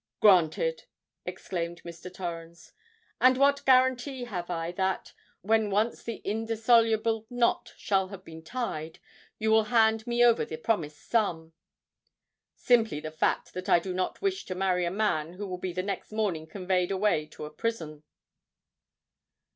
"Granted!" exclaimed Mr. Torrens. "And what guarantee have I that, when once the indissoluble knot shall have been tied, you will hand me over the promised sum?" "Simply the fact that I do not wish to marry a man who will be the next morning conveyed away to a prison."